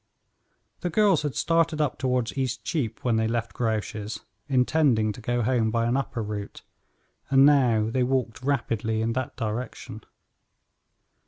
The girls had started up toward East Cheap when they left Grouche's, intending to go home by an upper route, and now they walked rapidly in that direction.